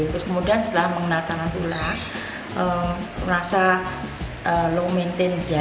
kemudian setelah mengenal tarantula merasa low maintenance ya